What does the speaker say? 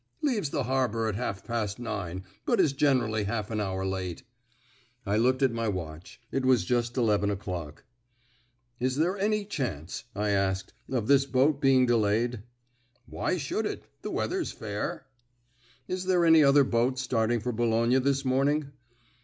"Leaves the harbour at half past nine, but is generally half an hour late." I looked at my watch. It was just eleven o'clock. "Is there any chance," I asked, "of this boat being delayed?" "Why should it? The weather's fair." "Is there any other boat starting for Boulogne this morning?"